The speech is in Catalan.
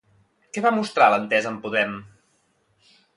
Què va mostrar l'entesa amb Podem?